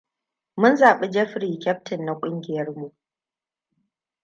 Mun zabi Jeffrey kyaftin na kungiyarmu.